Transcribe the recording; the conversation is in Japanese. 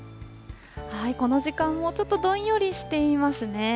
この時間もちょっとどんよりしていますね。